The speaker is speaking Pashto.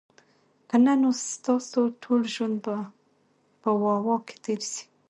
که نه نو ستاسو ټول ژوند به په "واه، واه" کي تیر سي